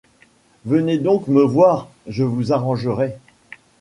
Venez donc me voir, je vous arrangerai…